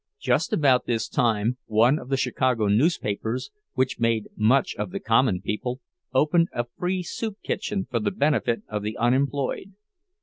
Just about this time one of the Chicago newspapers, which made much of the "common people," opened a "free soup kitchen" for the benefit of the unemployed.